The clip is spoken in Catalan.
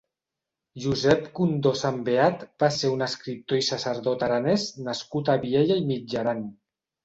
Josèp Condò Sambeat va ser un escriptor i sacerdot aranès nascut a Viella i Mitjaran.